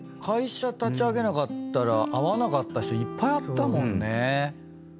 会社立ち上げなかったら会わなかった人いっぱい会ったもんね。